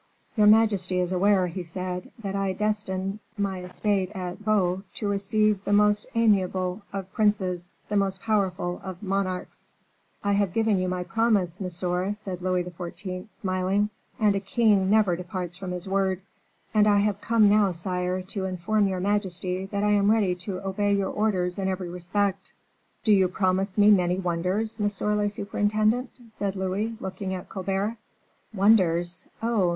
"Your majesty is aware," he said, "that I destine my estate at Vaux to receive the most amiable of princes, the most powerful of monarchs." "I have given you my promise, monsieur," said Louis XIV., smiling; "and a king never departs from his word." "And I have come now, sire, to inform your majesty that I am ready to obey your orders in every respect." "Do you promise me many wonders, monsieur le surintendant?" said Louis, looking at Colbert. "Wonders? Oh!